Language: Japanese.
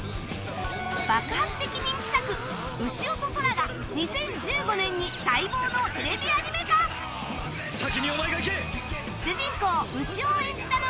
爆発的人気作『うしおととら』が２０１５年に待望のテレビアニメ化いやあ！